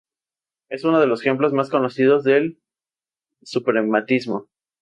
Es uno de los ejemplos más conocidos del suprematismo.